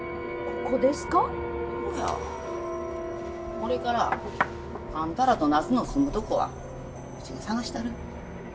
これからあんたらとナツの住むとこはうちが探したる。